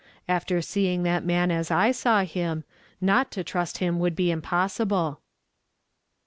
After seeing that man as I saw him, not to trust him would be impossible."